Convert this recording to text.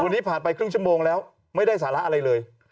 วันนี้ผ่านไปครึ่งชั่วโมงแล้วไม่ได้สาระอะไรเลย